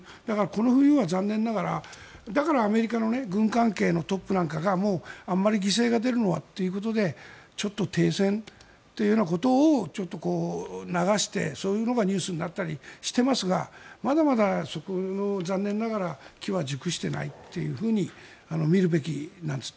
この冬は残念ながらだからアメリカの軍関係のトップなんかがもうあんまり犠牲が出るのはということでちょっと停戦ということを流してそういうのがニュースになったりしていますがまだまだそこは残念ながら機は熟していないと見るべきなんです。